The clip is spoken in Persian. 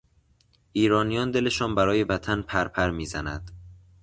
ایرانیان دلشان برای وطن پرپر میزد.